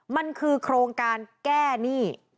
มันคือโครงการแก้หนี้